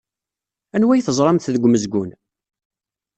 Anwa ay teẓramt deg umezgun?